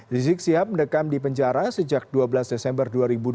rizik sihab mendekam di penjara sejak dua belas desember dua ribu dua puluh